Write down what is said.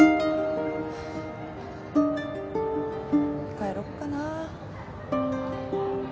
帰ろっかな。